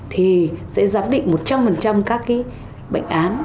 thì sẽ giám định một trăm linh các cái bệnh án